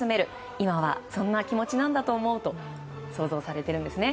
今はそんな気持ちなんだと思うと想像されているんですね。